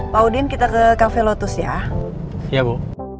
pak udin kita ke cafe lotus ya iya bu